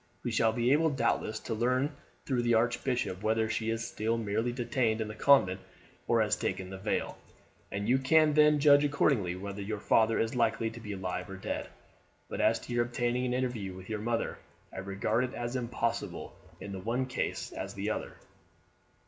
We shall be able, doubtless, to learn through the archbishop whether she is still merely detained in the convent or has taken the veil, and you can then judge accordingly whether your father is likely to be alive or dead. But as to your obtaining an interview with your mother, I regard it as impossible in the one case as the other.